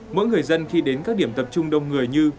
mỗi người dân khi đến các điểm tập trung đông người như